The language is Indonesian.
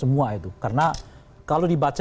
semua itu karena kalau dibaca